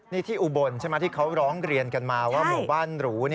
นี่ที่อุบลใช่ไหมที่เขาร้องเรียนกันมาว่าหมู่บ้านหรู